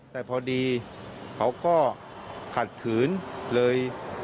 แต่พอดีเขาก็ขัดขืนเลย